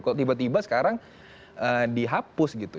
kok tiba tiba sekarang dihapus gitu